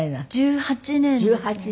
１８年。